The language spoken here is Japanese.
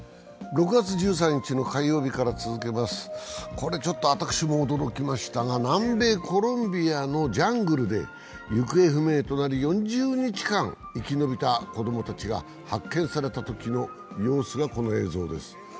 これちょっと、私も驚きましたが南米コロンビアのジャングルで行方不明となり４０日間、生き延びた子供たちが発見されたときの様子がこの映像です。